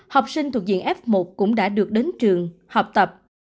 học sinh thuộc diện f một cũng đã được đến trường học tập